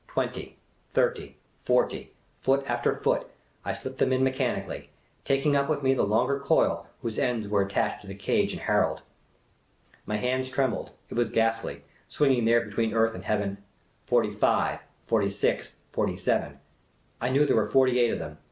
Twenty, thirty, forty ! Foot after foot, I slipped them in mechanically, taking up with me the longer coil whose ends were attached to the cage and Harold. My hands trembled ; it was ghastly, swinging there between earth and heav^en. Forty five, forty six, forty seven — I knew there were forty eight of them.